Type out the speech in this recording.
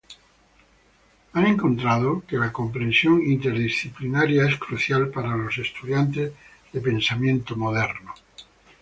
Han encontrado que la comprensión interdisciplinaria es crucial para los estudiantes de pensamiento moderno.